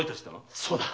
そうだ。